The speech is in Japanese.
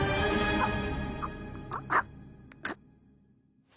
あっ！